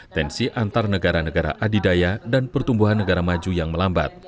tensi antar negara negara adidaya dan pertumbuhan negara maju yang melambat